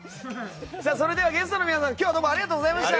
ゲストの皆さん今日はどうもありがとうございました。